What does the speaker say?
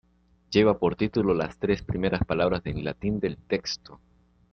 Lleva por título las tres primeras palabras en latín del texto.